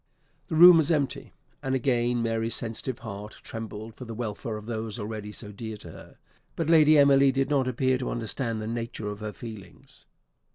The room was empty; and again Mary's sensitive heart trembled for the welfare of those already so dear to her; but Lady Emily did not appear to understand the nature of her feelings.